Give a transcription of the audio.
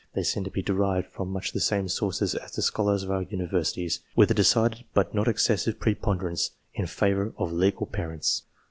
They seem^to be derived from much the same sources as the scholars of our Universities, with a decided but not excessive preponderance in favour of legal parents.